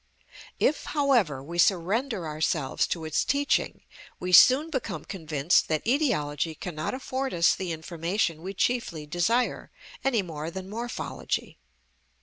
If, however, we surrender ourselves to its teaching, we soon become convinced that etiology cannot afford us the information we chiefly desire, any more than morphology.